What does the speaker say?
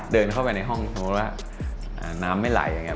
เดินเข้าไปในห้องสมมติว่าน้ำไม่ไหล